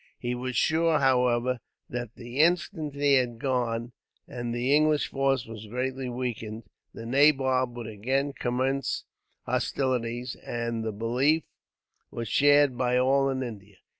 He was sure, however, that the instant he had gone, and the English force was greatly weakened, the nabob would again commence hostilities; and the belief was shared by all in India.